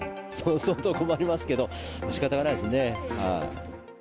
相当困りますけど、しかたがないですね。